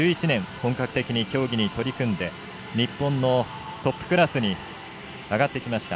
本格的に競技に取り組んで日本のトップクラスに上がってきました。